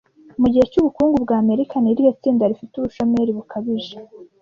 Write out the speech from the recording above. Mugihe cy’ubukungu bw’Amerika ni irihe tsinda rifite ubushomeri bukabije